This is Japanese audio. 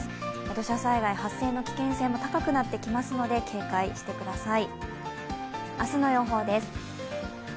土砂災害発生の危険性も高くなってきますので、警戒してください。